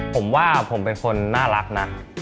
ผมว่าผมเป็นคนน่ารักนะ